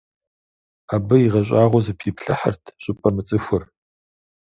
Абы игъэщӀагъуэу зэпиплъыхьырт щӀыпӏэ мыцӀыхур.